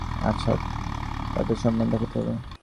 তাঁদেরও নিজস্ব ভাবনা আছে, ইচ্ছে আছে; তাদের সম্মান দেখাতে হবে।